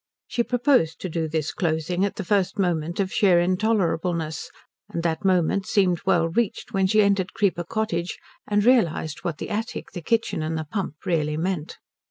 She proposed to do this closing at the first moment of sheer intolerableness, and that moment seemed well reached when she entered Creeper Cottage and realized what the attic, the kitchen, and the pump really meant.